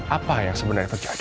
apa yang sebenarnya terjadi